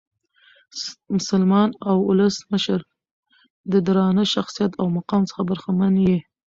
مسلمان اولس مشر د درانه شخصیت او مقام څخه برخمن يي.